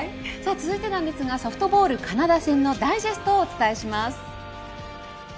続いて、ソフトボールカナダ戦のダイジェストをお伝えします。